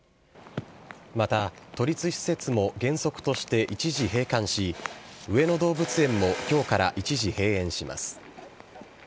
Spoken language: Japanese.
また、都立施設も原則として一時閉館し、上野動物園もきょうから一時閉園します。